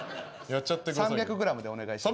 ３００グラムでお願いします。